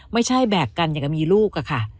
ไม่ใช่แบบกันอย่างมีลูกอะค่ะ